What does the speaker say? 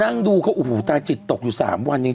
นั่งดูเขาโอ้โหตาจิตตกอยู่๓วันจริง